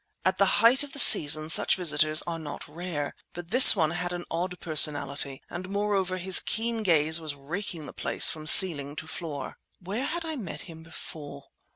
At the height of the season such visitors are not rare, but this one had an odd personality, and moreover his keen gaze was raking the place from ceiling to floor. Where had I met him before?